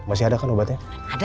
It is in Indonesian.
masih ada kan obatnya